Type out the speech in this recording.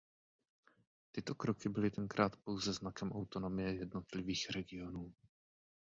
Tyto kroky byly tenkrát pouze znakem autonomie jednotlivých regionů.